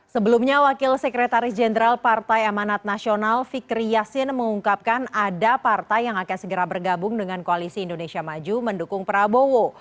sebelumnya wakil sekretaris jenderal partai amanat nasional fikri yasin mengungkapkan ada partai yang akan segera bergabung dengan koalisi indonesia maju mendukung prabowo